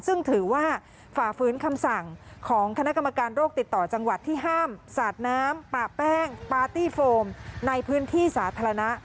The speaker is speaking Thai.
ซึ่งถือว่าฝ่าฝืนคำสั่งของคณะกรรมการโรคติดต่อจังหวัดที่ห้ามสาดน้ำปะแป้งปาร์ตี้โฟมในพื้นที่สาธารณะ